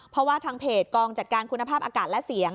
เพราะว่าทางเพจกองจัดการคุณภาพอากาศและเสียง